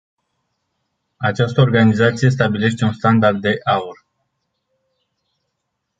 Această organizație stabilește un "standard de aur”.